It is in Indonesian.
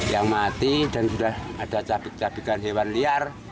yang mati dan sudah ada cabik cabikan hewan liar